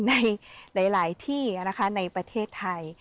ในหลายที่นะคะในประเทศไทย